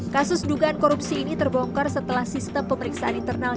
kasus dugaan korupsi ini terbongkar setelah sistem pemeriksaan internal